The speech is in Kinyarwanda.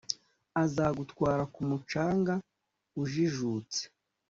azagutwara ku mucanga, ujijutse